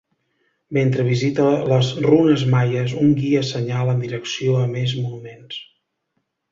Mentre visita les runes maies un guia assenyala en direcció a més monuments